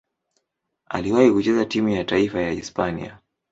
Aliwahi kucheza timu ya taifa ya Hispania.